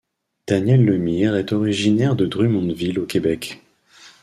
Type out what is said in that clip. Daniel Lemire est originaire de Drummondville au Québec.